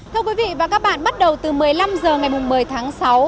thưa quý vị và các bạn bắt đầu từ một mươi năm h ngày một mươi tháng sáu